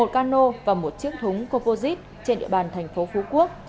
một cano và một chiếc thúng composite trên địa bàn thành phố phú quốc